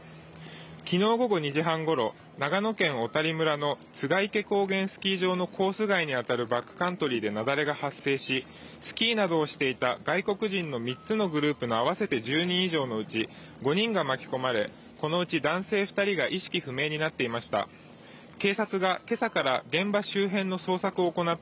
きのう午後２時半ごろ長野県小谷村の栂池高原スキー場のコース外にあたるバックカントリーで雪崩が発生しスキーなどをしていた外国人の３つのグループの合わせて１０人以上のうち５人が巻き込まれ、このうち男性２人が意識不明になっていました。